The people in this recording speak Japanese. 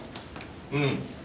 うん。